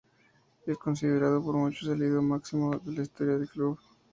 Y es considerado por muchos el ídolo máximo en la historia del club.